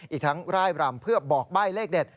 อีกทั้งร่ายรำเพื่อบอกใบ้เลขเด็ด